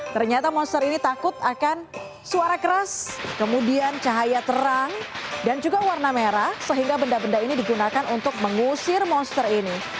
ternyata monster ini takut akan suara keras kemudian cahaya terang dan juga warna merah sehingga benda benda ini digunakan untuk mengusir monster ini